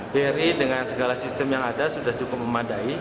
bri dengan segala sistem yang ada sudah cukup memadai